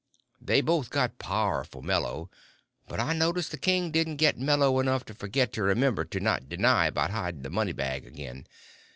They both got powerful mellow, but I noticed the king didn't get mellow enough to forget to remember to not deny about hiding the money bag again.